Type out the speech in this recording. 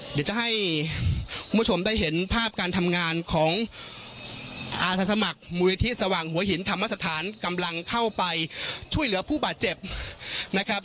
เดี๋ยวจะให้คุณผู้ชมได้เห็นภาพการทำงานของอาสาสมัครมูลนิธิสว่างหัวหินธรรมสถานกำลังเข้าไปช่วยเหลือผู้บาดเจ็บนะครับ